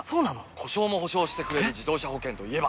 故障も補償してくれる自動車保険といえば？